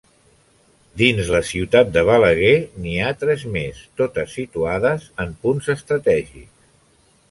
Dins la ciutat de Balaguer n'hi ha tres més, totes situades en punts estratègics.